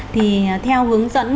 thì theo hướng dẫn